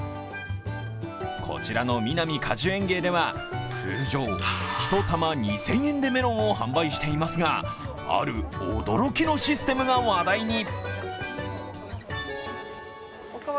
こちらのみなみ果樹園芸では通常、１玉２０００円でメロンを販売していますがある驚きのシステムが話題に。